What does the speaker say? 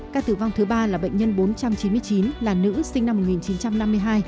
ca tử vong thứ ba là bệnh nhân bốn trăm chín mươi chín là nữ sinh năm một nghìn chín trăm năm mươi hai